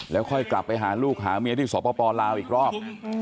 แล้วค่อยกลับไปหาลูกหาเมียที่สปลาวอีกรอบ